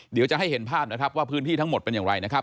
เดี๋ยวจะให้เห็นภาพนะครับว่าพื้นที่ทั้งหมดเป็นอย่างไรนะครับ